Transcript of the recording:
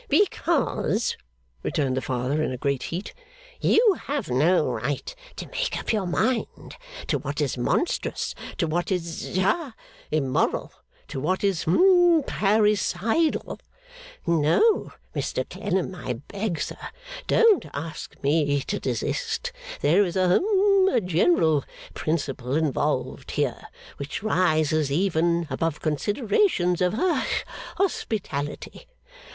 'Because,' returned the Father, in a great heat, 'you had no right to make up your mind to what is monstrous, to what is ha immoral, to what is hum parricidal. No, Mr Clennam, I beg, sir. Don't ask me to desist; there is a hum a general principle involved here, which rises even above considerations of ha hospitality.